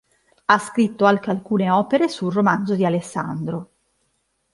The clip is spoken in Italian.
Ha scritto anche alcune opere sul Romanzo di Alessandro.